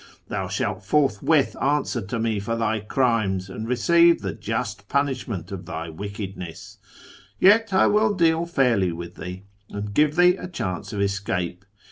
Thou shalt forthwith answer to me for thy rimes, and receive the just punishment of thy wickedness. "et will I deal fairly with thee, and give thee a chance of i8o A YEAR AMONGST THE PERSIANS escape.